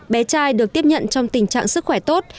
bé trai được tiếp nhận trong tình trạng sức khỏe tốt